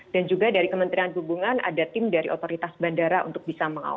dan juga dari kementerian hubungan ada tim dari otoritas bandara untuk bisa mengambil